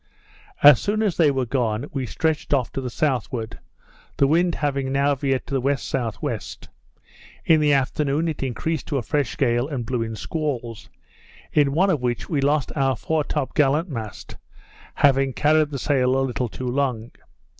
As soon as they were gone, we stretched off to the southward, the wind having now veered to the W.S.W. In the afternoon it increased to a fresh gale, and blew in squalls; in one of which we lost our fore top gallant mast, having carried the sail a little too long.